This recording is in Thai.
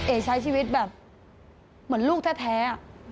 ใช้ชีวิตแบบเหมือนลูกแท้